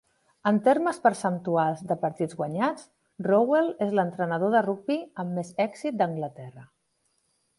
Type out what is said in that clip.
En termes percentuals de partits guanyats, Rowell és l'entrenador de rugbi amb més èxit d'Anglaterra.